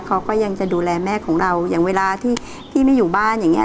เขาก็ยังจะดูแลแม่ของเราอย่างเวลาที่พี่ไม่อยู่บ้านอย่างเงี้